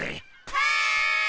はい！